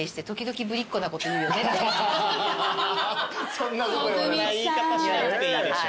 そんな言い方しなくていいでしょ。